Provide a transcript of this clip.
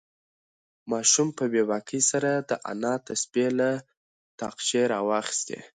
ماشوم په بې باکۍ سره د انا تسبیح له تاقچې راوخیستې.